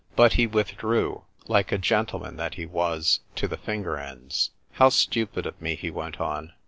But he withdrew, like a gentleman that he was to the finger ends. " How stupid of me! " he went on.